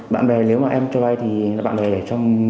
bạn bè nếu mà em cho vai thì bạn bè để trong